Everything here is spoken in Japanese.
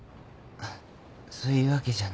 あっそういうわけじゃなくて。